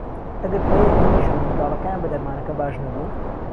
ئەگەر دوای یەکەمین ژەم منداڵەکەیان بە دەرمانەکە باش نەبوو